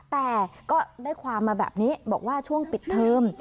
แต่ก็ได้ความมาแบบนี้บอกว่าช่วงปิดเทอม